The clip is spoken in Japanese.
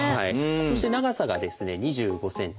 そして長さがですね２５ｃｍ。